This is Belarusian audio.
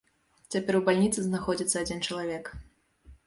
Цяпер у бальніцы знаходзіцца адзін чалавек.